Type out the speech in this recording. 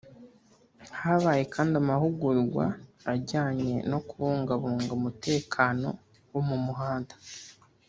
Habaye kandi amahugurwa ajyanye no kubungabunga umutekano wo mu muhanda